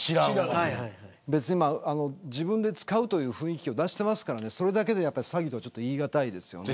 自分で使うという雰囲気を出してますからそれだけで詐欺とは言い難い。